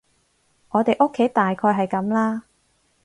我哋屋企大概係噉啦